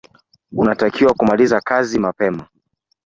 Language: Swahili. Unatakiwa kumaliza kazi mapema.